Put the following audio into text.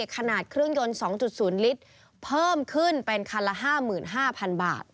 เครื่องยนต์๒๐ลิตรเพิ่มขึ้นเป็นคันละ๕๕๐๐๐บาท